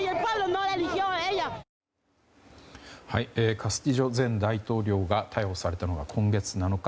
カスティジョ前大統領が逮捕されたのは今月７日。